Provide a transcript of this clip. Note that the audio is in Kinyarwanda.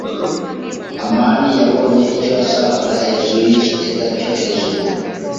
amani yabonye icyo yashakaga hejuru yikigega cyo hejuru.